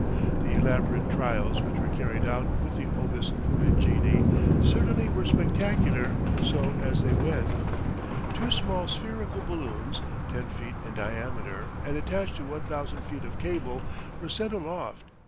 The elaborate trials which were carried out with the obus fumigene certainly were spectacular so as they went. Two small spherical balloons, 10 feet in diameter, and attached to 1,000 feet of cable, were sent aloft.